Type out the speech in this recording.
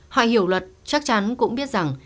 họ hiểu luật chắc chắn cũng biết rằng